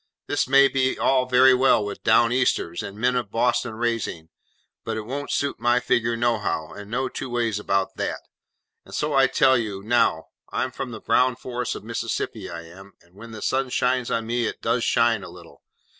This may be all very well with Down Easters, and men of Boston raising, but it won't suit my figure nohow; and no two ways about that; and so I tell you. Now! I'm from the brown forests of Mississippi, I am, and when the sun shines on me, it does shine—a little.